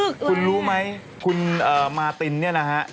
คุณรู้ไหมคุณมาตินเนี่ยนะฮะ